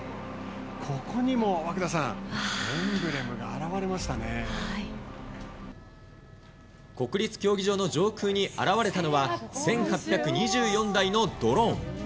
ここにも和久田さん、エンブレム国立競技場の上空に現れたのは、１８２４台のドローン。